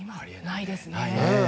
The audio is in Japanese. ないですね。